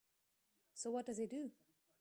So what does he do?